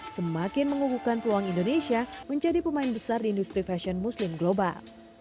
semakin menguguhkan peluang indonesia menjadi pemain besar di industri fashion muslim global